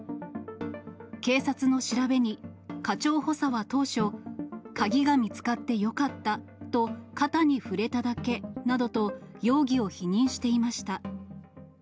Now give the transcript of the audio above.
警察の調べに、課長補佐は当初、鍵が見つかってよかったと、肩に触れただけなどと容疑を否認していました。